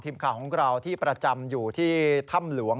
ทีมข่าวของเราที่ประจำอยู่ที่ถ้ำหลวง